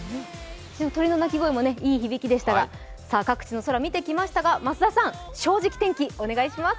鳥の鳴き声もいい響きでしたが、各地の空、見てきましたが増田さん、「正直天気」お願いします